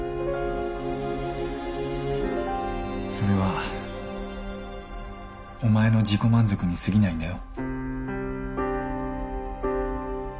それはお前の自己満足にすぎないんだよ。